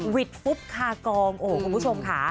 วิทธุปคากองคุณผู้ชมค่ะ